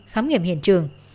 khám nghiệm hiện trường